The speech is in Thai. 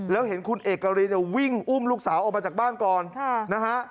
แล้วเห็นคุณเอกรินวิ่งอุ้มลูกสาวออกมาจากบ้านก่อนนะฮะ